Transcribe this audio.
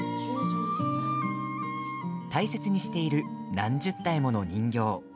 大切にしている、何十体もの人形。